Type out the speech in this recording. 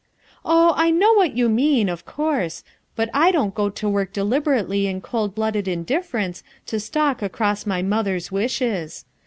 "Oh, I know what you mean, of course; but I don't go to work deliberately in cold blooded indifference to stalk across my mother's wishes.